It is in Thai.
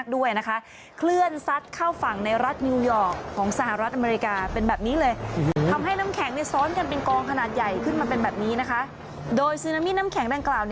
โดยซึนามิน้ำแข็งดังกล่าว